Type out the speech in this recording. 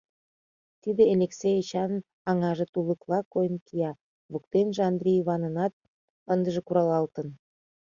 Тиде Элексей Эчанын аҥаже тулыкла койын кия, воктенже Андри Иванынат ындыже куралалтын.